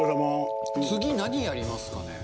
次何やりますかね。